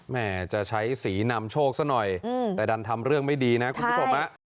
แม่จะใช้สีนำโชคซะหน่อยแต่ดันทำเรื่องไม่ดีนะคุณผู้ชมฮะ